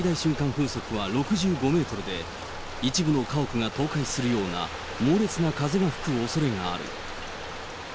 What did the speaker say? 風速は６５メートルで、一部の家屋が倒壊するような猛烈な風が吹くおそれがある。